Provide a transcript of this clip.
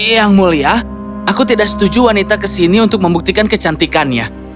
yang mulia aku tidak setuju wanita kesini untuk membuktikan kecantikannya